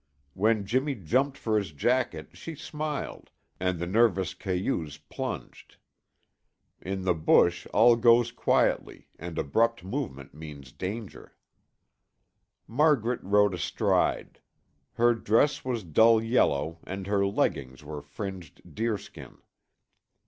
When Jimmy jumped for his jacket she smiled and the nervous cayuse plunged. In the bush, all goes quietly and abrupt movement means danger. Margaret rode astride. Her dress was dull yellow and her leggings were fringed deerskin.